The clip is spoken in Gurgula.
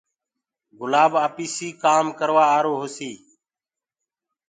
گُلآب آپيسي ڪآم ڪروآ آرو هوسي